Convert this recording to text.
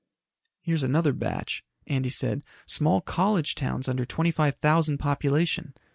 "Here's another batch," Andy said. "Small college towns under twenty five thousand population.